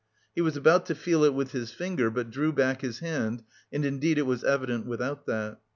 He was about to feel it with his finger, but drew back his hand and indeed it was evident without that.